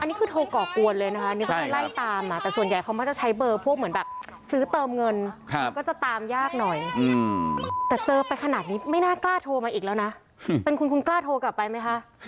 อันนี้คือโทรก่อกวนเลยนะคะนี่ก็เลยไล่ตามแต่ส่วนใหญ่เขามักจะใช้เบอร์พวกเหมือนแบบซื้อเติมเงินมันก็จะตามยากหน่อยแต่เจอไปขนาดนี้ไม่น่ากล้าโทรมาอีกแล้วนะเป็นคุณคุณกล้าโทรกลับไปไหมคะ